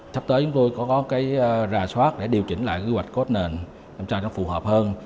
sắp tới chúng tôi có cái rà soát để điều chỉnh lại quy hoạch cốt nền làm sao nó phù hợp hơn